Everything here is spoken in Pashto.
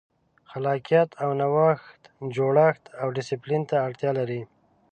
خلاقیت او نوښت جوړښت او ډیسپلین ته اړتیا لري.